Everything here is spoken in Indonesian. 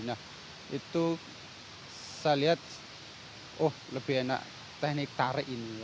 nah itu saya lihat oh lebih enak teknik tarik ini